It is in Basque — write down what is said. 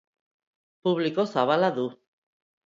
Publiko zabala du.